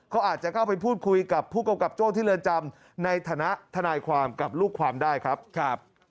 เขาอาจจะเข้าไปพูดคุยกับผู้กำกับโจ้ที่เรือนจำในฐานะทนายความกับลูกความได้ครับ